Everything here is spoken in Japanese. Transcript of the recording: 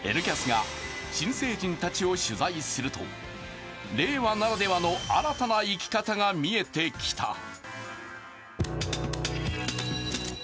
「Ｎキャス」が新成人たちを取材すると令和ならではの新たな生き方が見えてきた。